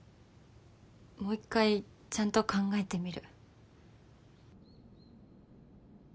もう一回ちゃんと考えてみる。